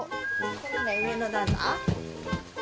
これね上の段だ。